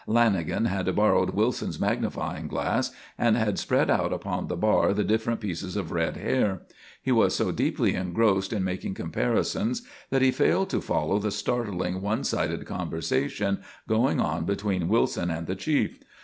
Lanagan had borrowed Wilson's magnifying glass and had spread out upon the bar the different pieces of red hair. He was so deeply engrossed in making comparisons that he failed to follow the startling one sided conversation going on between Wilson and the chief.